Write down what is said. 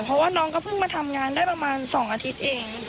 เพราะว่าน้องก็เพิ่งมาทำงานได้ประมาณ๒อาทิตย์เอง